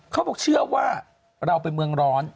เขาบอกเชื่อว่าเราเป็นเมืองร้อน